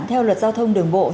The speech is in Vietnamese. theo luật giao thông đường bộ